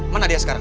mana dia sekarang